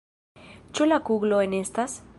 Ĉu la kuglo enestas?